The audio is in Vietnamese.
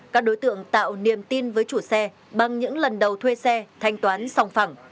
các đối tượng tạo niềm tin với chủ xe bằng những lần đầu thuê xe thanh toán sòng phẳng